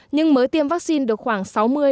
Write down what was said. nhưng mới tiêm vaccine được khoảng sáu mươi bảy mươi